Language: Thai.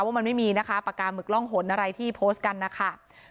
ว่ามันไม่มีนะคะปากกาหมึกร่องหนอะไรที่โพสต์กันนะคะ